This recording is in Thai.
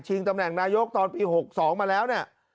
ตำแหน่งนายกตอนปี๖๒มาแล้วเนี่ย